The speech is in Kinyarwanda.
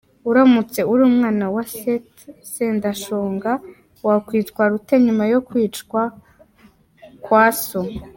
Uramutse uri umwana wa Seth Sendashonga wakwitwara ute nyuma yo kwicwa kwa so?